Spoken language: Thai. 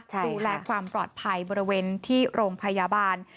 ดูแลความปลอดภัยบริเวณที่โรงพยาบาล